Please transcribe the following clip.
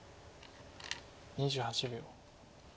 ２８秒。